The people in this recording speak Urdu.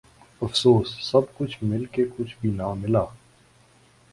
افسوس سب کچھ مل کے کچھ بھی ناں ملا